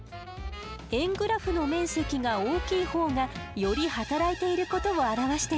円グラフの面積が大きいほうがより働いていることを表しているの。